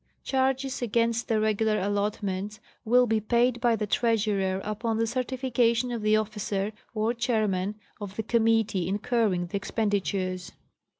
Charges against the regular allotments will be paid by the Treasurer upon the certification of the officer or chairman of the committee incurring the expenditures.